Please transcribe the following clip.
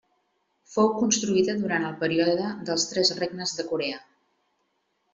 Fou construïda durant el període dels Tres Regnes de Corea.